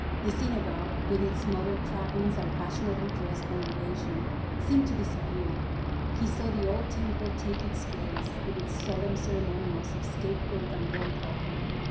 The synagogue, with its modern trappings and fashionably dressed congregation, seemed to disappear. He saw the old Temple take its place, with its solemn ceremonials of scapegoat and burnt offering.